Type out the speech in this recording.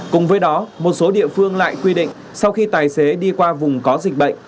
cùng với đó một số địa phương lại quy định sau khi tài xế đi qua vùng có dịch bệnh